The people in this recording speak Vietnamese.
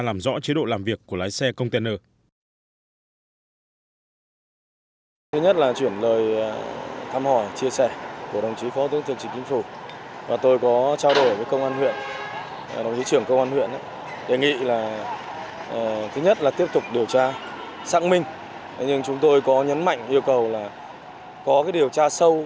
làm rõ chế độ làm việc của lái xe container